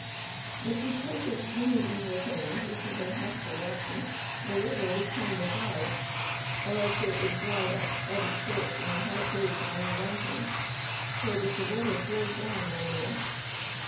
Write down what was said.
But because of many evil things which have been half forgotten, the river was turned aside, or else it was dried up at its source in the high place among the mountains, so that the water flowed down no more.